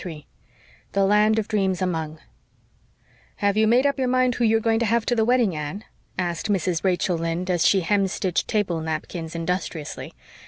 CHAPTER 3 THE LAND OF DREAMS AMONG "Have you made up your mind who you're going to have to the wedding, Anne?" asked Mrs. Rachel Lynde, as she hemstitched table napkins industriously.